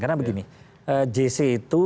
karena begini jc itu